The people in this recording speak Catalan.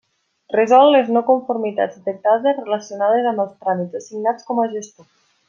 Resol les no conformitats detectades relacionades amb els tràmits assignats com a gestor.